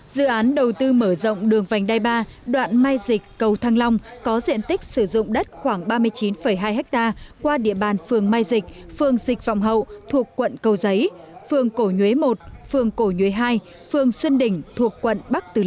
dự án đầu tư mở rộng đường vành đai ba đoạn mai dịch cầu thăng long có diện tích sử dụng đất khoảng ba mươi chín hai ha qua địa bàn phường mai dịch phường dịch vọng hậu thuộc quận cầu dịch